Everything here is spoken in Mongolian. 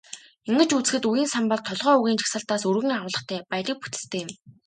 Ингэж үзэхэд, үгийн сан бол толгой үгийн жагсаалтаас өргөн агуулгатай, баялаг бүтэцтэй юм.